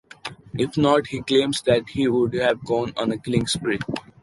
If not, he claims that he would have gone on a killing spree.